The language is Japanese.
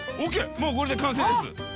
もうこれで完成です。